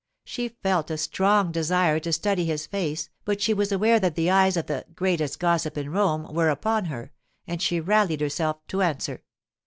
She felt a strong desire to study his face, but she was aware that the eyes of 'the greatest gossip in Rome' were upon her, and she rallied herself to answer.